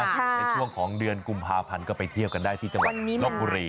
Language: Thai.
ในช่วงของเดือนกุมภาพันธ์ก็ไปเที่ยวกันได้ที่จังหวัดลบบุรี